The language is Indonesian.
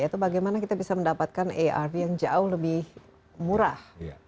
atau bagaimana kita bisa mendapatkan arv yang jauh lebih murah